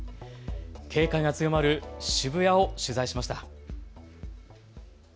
警戒が強まる渋谷を取材しました。